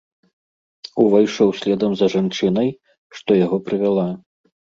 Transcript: Увайшоў следам за жанчынай, што яго прывяла.